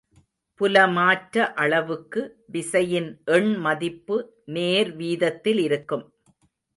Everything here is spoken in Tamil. புலமாற்ற அளவுக்கு விசையின் எண்மதிப்பு நேர் வீதத்திலிருக்கும்.